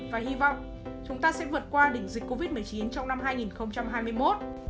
và hy vọng chúng ta sẽ vượt qua đỉnh dịch covid một mươi chín trong năm hai nghìn hai mươi một